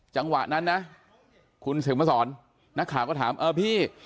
จังหวะนั้นนะคุณเข็มมาสอนนักข่าวก็ถามเออพี่